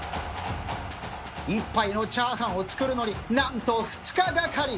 １杯のチャーハンを作るのになんと２日がかり。